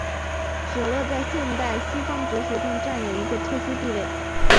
舍勒在现代西方哲学中占有一个特殊地位。